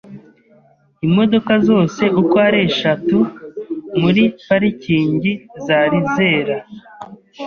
Imodoka zose uko ari eshatu muri parikingi zari zera.